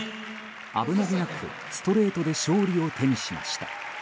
危なげなく、ストレートで勝利を手にしました。